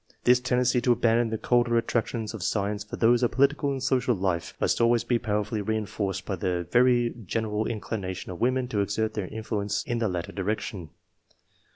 This tendency to abandon the colder attractions of science for IV.] EDUCATION. 2. 9 those of political and social life, must always be powerfully reinforced by the very general incli nation of women to exert their influence in the latter direction.